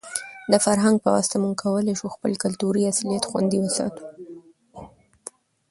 د فرهنګ په واسطه موږ کولای شو خپل کلتوري اصالت خوندي وساتو.